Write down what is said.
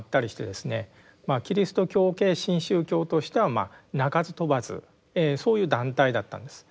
キリスト教系新宗教としては鳴かず飛ばずそういう団体だったんです。